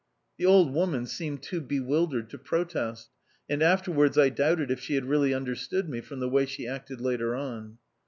The old woman seemed too bewildered to protest, and afterwards I doubted if she had really understood me from the way she acted later on.